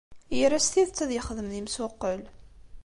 Ira s tidet ad yexdem d imsuqqel.